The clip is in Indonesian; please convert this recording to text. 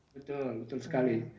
betul betul sekali